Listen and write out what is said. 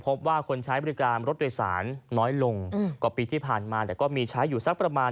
พบว่าคนใช้บริการรถโดยสารน้อยลงกว่าปีที่ผ่านมาแต่ก็มีใช้อยู่สักประมาณ